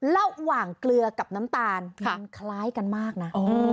ระหว่างเกลือกับน้ำตาลมันคล้ายกันมากนะ